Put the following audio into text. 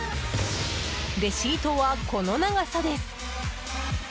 レシートは、この長さです。